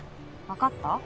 わかった？